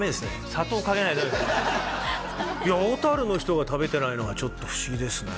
砂糖かけないと小樽の人が食べてないのはちょっと不思議ですね